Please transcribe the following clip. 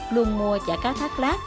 luôn mua chả cá thác lát